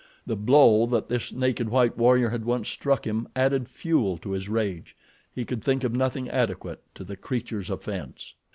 The blow that this naked white warrior had once struck him added fuel to his rage. He could think of nothing adequate to the creature's offense.